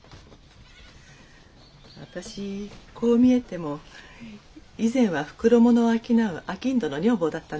私こう見えても以前は袋物を商う商人の女房だったんですよ。